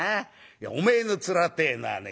いやおめえの面ってえのはね